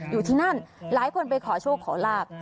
อยู่ที่นั่นหลายคนไปขอโชคขอลาบ